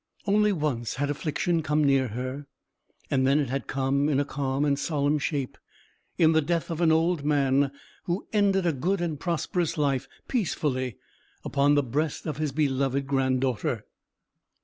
Only once had affliction come near her; and then it had come in a calm and solemn shape, in the death of an old man, who ended a good and prosperous life peacefully upon the breast of his beloved granddaughter.